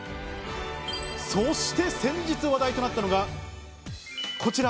そして先日、話題となったのがこちら。